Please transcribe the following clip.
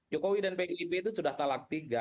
jokowi dan pib itu sudah talak tiga